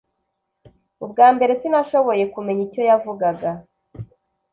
Ubwa mbere sinashoboye kumenya icyo yavugaga